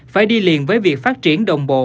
phải đi liền với việc phát triển đồng bộ